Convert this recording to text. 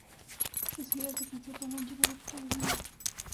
Sus giras de conciertos la han llevado por todo el mundo.